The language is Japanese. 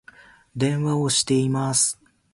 電話をしています